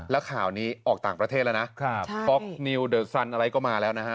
แล้วข่าวนี้ออกต่างประเทศแล้วนะท็อกนิวเดอร์สันอะไรก็มาแล้วนะฮะ